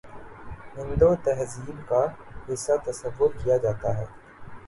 ہندو تہذیب کا حصہ تصور کیا جاتا تھا